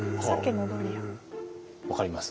分かります？